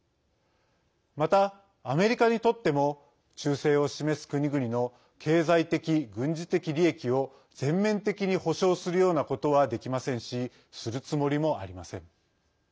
また、アメリカにとっても忠誠を示す国々の経済的、軍事的利益を全面的に保証するようなことはできませんしするつもりもありません。